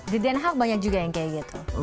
di den haag banyak juga yang kayak gitu